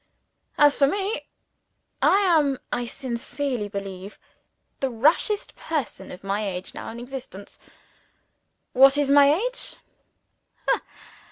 As for me, I am, I sincerely believe, the rashest person of my age now in existence. (What is my age?